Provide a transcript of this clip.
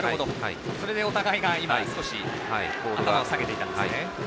それでお互いが少し頭を下げていたんですね。